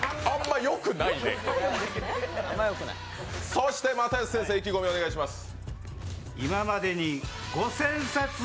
そして又吉先生、意気込みをお願いします。